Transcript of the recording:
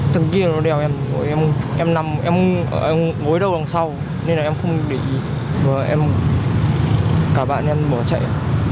từ kia nó đèo em em ngối đầu đằng sau nên em không để ý cả bạn em bỏ chạy